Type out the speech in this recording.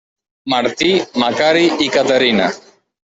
Martí, Macari i Caterina.